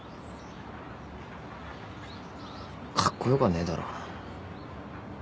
カッコ良くはねえだろ。